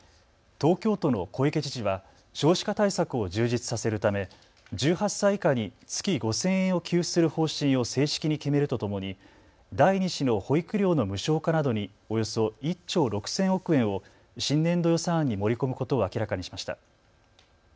東京都の小池知事は少子化対策を充実させるため１８歳以下に月５０００円を給付する方針を正式に決めるとともに第２子の保育料の無償化などにおよそ１兆６０００億円を新年度予算案に盛り込むことを明らかにしました。